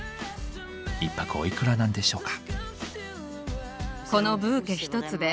１泊おいくらなんでしょうか。